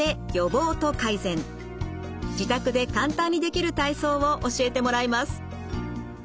自宅で簡単にできる体操を教えてもらいます。